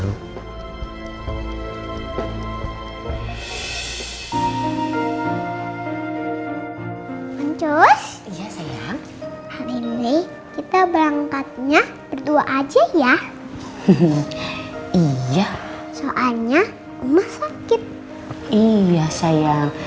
muncul iya sayang hari ini kita berangkatnya berdua aja ya iya soalnya emas sakit iya sayang